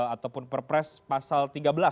ataupun perpres pasal tiga belas